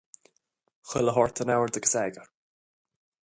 Chuile shórt in ord agus eagar.